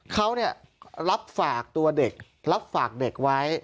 เขารับฝากตัวเด็กรับฝากเด็กไว้